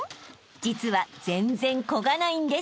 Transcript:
［実は全然こがないんです］